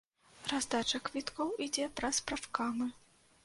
Раздача квіткоў ідзе праз прафкамы.